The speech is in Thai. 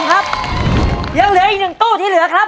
ก็เหลืออีกถู้ที่เหลือครับ